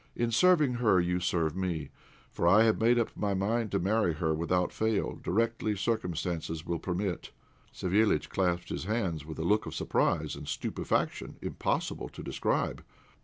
In serving her you serve me, for I have made up my mind to marry her without fail directly circumstances will permit." Savéliitch clasped his hands with a look of surprise and stupefaction impossible to describe.